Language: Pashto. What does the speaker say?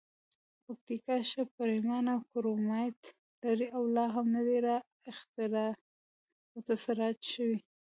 پکتیکا ښه پریمانه کرومایټ لري او لا هم ندي را اختسراج شوي.